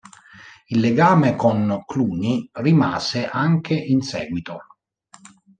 Il legame con Cluny rimase anche in seguito.